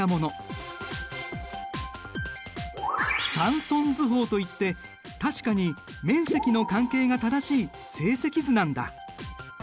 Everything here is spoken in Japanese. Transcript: サンソン図法といって確かに面積の関係が正しい正積図なんだ。